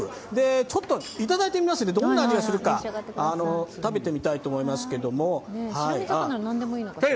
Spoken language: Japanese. ちょっといただいてみます、どんな味がするか食べてみたいと思います。